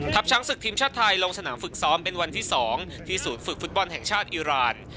ช้างศึกทีมชาติไทยลงสนามฝึกซ้อมเป็นวันที่๒ที่ศูนย์ฝึกฟุตบอลแห่งชาติอิราณ